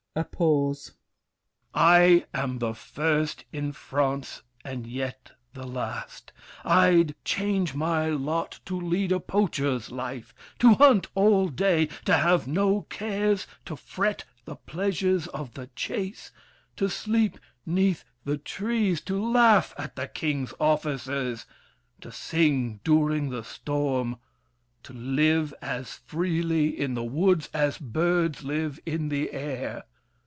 [A pause. I am the first in France and yet the last! I'd change my lot to lead a poacher's life— To hunt all day; to have no cares to fret The pleasures of the chase; to sleep 'neath trees; To laugh at the King's officers, to sing During the storm; to live as freely in the woods As birds live in the air.